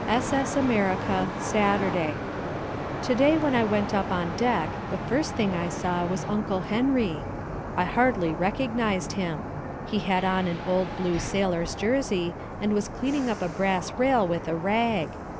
S.S. America. Saturday To day when I went up on deck, the first thing I saw was Uncle Henry. I hardly recognized him. He had on an old blue sailor's jersey, and was cleaning up a brass rail with a rag.